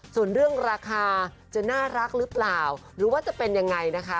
ส่วนเรื่องราคาจะน่ารักหรือเปล่าหรือว่าจะเป็นยังไงนะคะ